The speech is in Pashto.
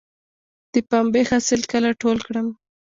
د پنبې حاصل کله ټول کړم؟